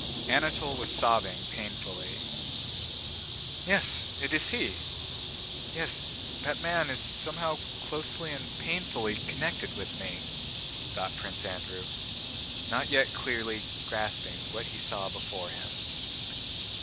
Anatole was sobbing painfully. "Yes, it is he! Yes, that man is somehow closely and painfully connected with me," thought Prince Andrew, not yet clearly grasping what he saw before him.